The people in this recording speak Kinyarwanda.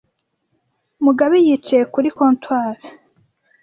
Mugabo yicaye kuri comptoir